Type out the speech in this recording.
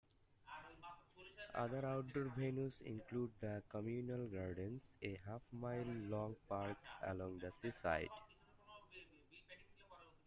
Other outdoor venues include the Communal Gardens, a half-mile long park along the sea-side.